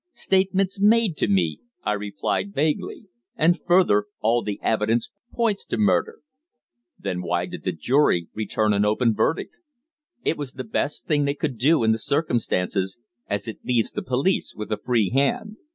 "Statements made to me," I replied vaguely. "And further, all the evidence points to murder." "Then why did the jury return an open verdict?" "It was the best thing they could do in the circumstances, as it leaves the police with a free hand."